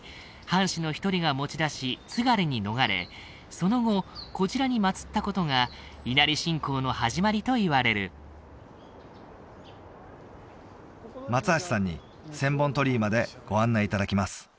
藩士の一人が持ち出し津軽に逃れその後こちらに祀ったことが稲荷信仰の始まりといわれる松橋さんに千本鳥居までご案内いただきます